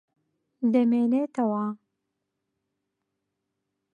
دەمێنێتەوە.